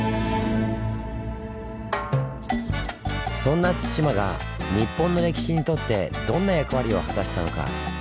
そんな対馬が日本の歴史にとってどんな役割を果たしたのか？